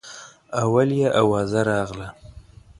اول یې اوازه راغله.